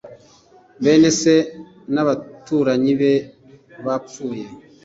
bene se n abaturanyi be bafuye